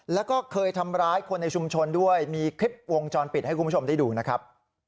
แล้วก็เคยทำร้ายคนในชุมชนด้วยมีคลิปวงจรปิดให้คุณผู้ชมได้ดูนะครับ